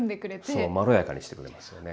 そうまろやかにしてくれますよね。